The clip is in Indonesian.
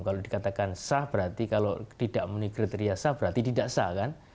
kalau dikatakan sah berarti kalau tidak menikri teriasa berarti tidak sah kan